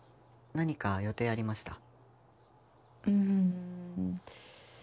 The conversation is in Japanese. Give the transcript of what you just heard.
何か予定ありました？